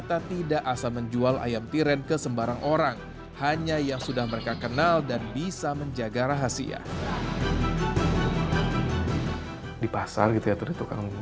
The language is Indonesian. tapi kalau yang udah biasa langganan ya udah dikasih